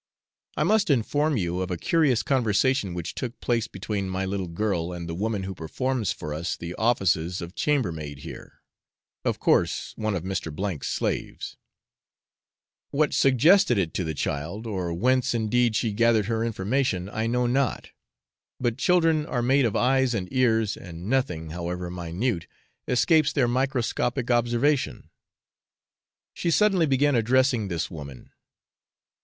I must inform you of a curious conversation which took place between my little girl and the woman who performs for us the offices of chambermaid here of course one of Mr. 's slaves. What suggested it to the child, or whence indeed she gathered her information, I know not; but children are made of eyes and ears, and nothing, however minute, escapes their microscopic observation. She suddenly began addressing this woman.